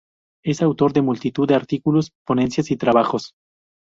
Es autor de multitud de artículos, ponencias y trabajos.